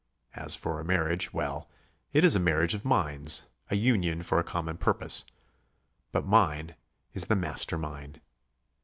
As for a marriage; well, it is a marriage of minds, a union for a common purpose. But mine is the master mind.